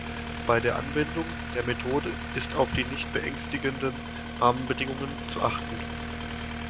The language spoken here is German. Bei der Anwendung der Methode ist auf die nicht beängstigenden Rahmenbedingungen zu achten.